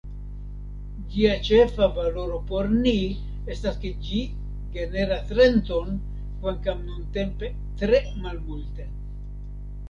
Ĝia ĉefa valoro por ni estas ke ĝi generas renton, kvankam nuntempe tre malmulte.